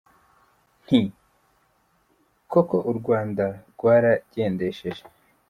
Nti «koko u Rwanda rwaragendesheje !»